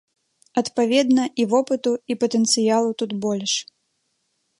Адпаведна, і вопыту, і патэнцыялу тут больш.